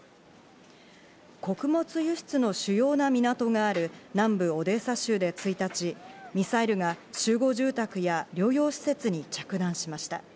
穀物輸出の主要な港がある南部オデーサ州で１日、ミサイルが集合住宅や療養施設に着弾しました。